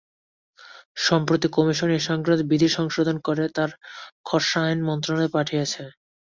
সম্প্রতি কমিশন এ-সংক্রান্ত বিধি সংশোধন করে তার খসড়া আইন মন্ত্রণালয়ে পাঠিয়েছে।